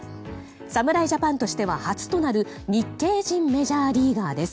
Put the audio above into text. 侍ジャパンとしては初となる日系人メジャーリーガーです。